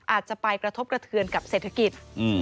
อาจจะไปกระทบกระเทือนกับเศรษฐกิจ